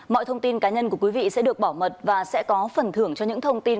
mọi thông tin cá nhân của quý vị sẽ được bảo mật và sẽ có phần thưởng cho những thông tin